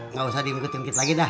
nggak usah dimungkin kita lagi dah